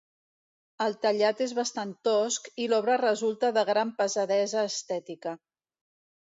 El tallat és bastant tosc i l'obra resulta de gran pesadesa estètica.